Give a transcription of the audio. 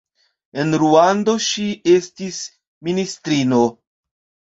En Ruando ŝi estis ministrino.